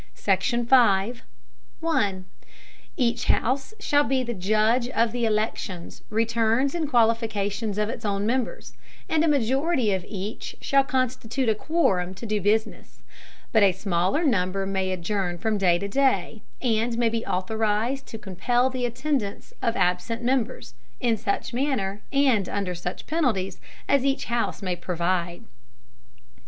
SECTION. 5. Each House shall be the Judge of the Elections, Returns and Qualifications of its own Members, and a Majority of each shall constitute a Quorum to do Business; but a smaller Number may adjourn from day to day, and may be authorized to compel the Attendance of absent Members, in such Manner, and under such Penalties as each House may provide.